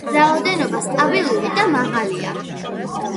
რაოდენობა სტაბილური და მაღალია.